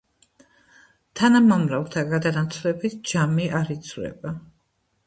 თანამამრავლთა გადანაცვლებით ჯამი არ იცვლება.